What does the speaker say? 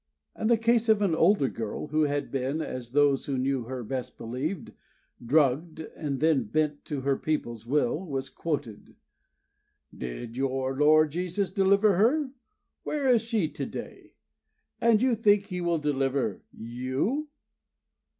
And the case of an older girl who had been, as those who knew her best believed, drugged and then bent to her people's will, was quoted: "Did your Lord Jesus deliver her? Where is she to day? And you think He will deliver you!"